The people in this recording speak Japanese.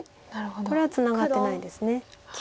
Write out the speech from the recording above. これはツナがってないです。